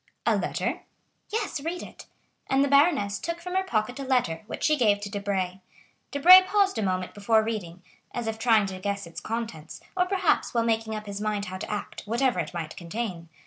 "A letter?" "Yes; read it." And the baroness took from her pocket a letter which she gave to Debray. Debray paused a moment before reading, as if trying to guess its contents, or perhaps while making up his mind how to act, whatever it might contain.